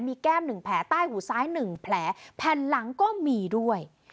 มีแก้ม๑แผลใต้หูซ้าย๑แผลแผ่นหลังก็มีด้วย